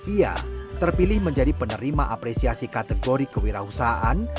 ia terpilih menjadi penerima apresiasi kategori kewirausahaan